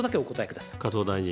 加藤大臣。